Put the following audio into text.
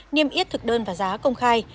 niêm yết thực đơn và giá công khai